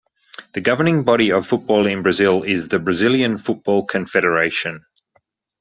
The governing body of football in Brazil is the Brazilian Football Confederation.